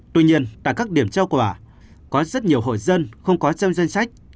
tuy nhiên tại các điểm trao quả có rất nhiều hội dân không có treo danh sách